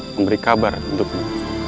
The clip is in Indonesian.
memberi kabar untuk kamu